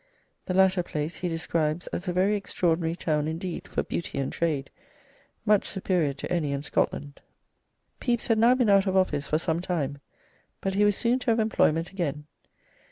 The latter place he describes as "a very extraordinary town indeed for beauty and trade, much superior to any in Scotland." Pepys had now been out of office for some time, but he was soon to have employment again.